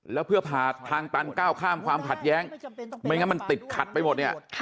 แล้วเพื่อผ่าทางตันก้าวข้ามความขัดแย้งไม่งั้นมันติดขัดไปหมดเนี่ย